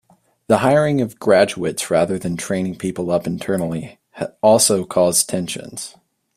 The hiring of graduates rather than training people up internally also caused tensions.